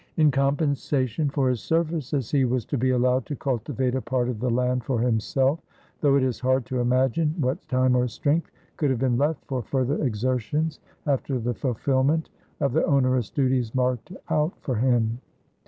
In compensation for his services he was to be allowed to cultivate a part of the land for himself, though it is hard to imagine what time or strength could have been left for further exertions after the fulfillment of the onerous duties marked out for him.